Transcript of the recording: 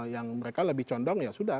yang mereka lebih condong ya sudah